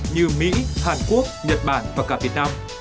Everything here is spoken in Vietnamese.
như mỹ hàn quốc nhật bản và cả việt nam